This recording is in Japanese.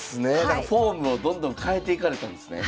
だからフォームをどんどん変えていかれたんですね。